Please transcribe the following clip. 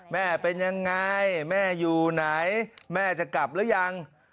แม่เป็นยังไงแม่อยู่ไหนแม่จะกลับหรือยัง